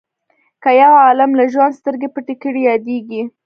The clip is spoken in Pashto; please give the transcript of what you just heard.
که یو عالم له ژوند سترګې پټې کړي یادیږي.